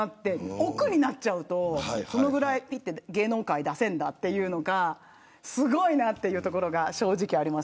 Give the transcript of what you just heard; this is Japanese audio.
億になってしまうと芸能界、そのぐらい出せるんだというのがすごいなというのが正直あります。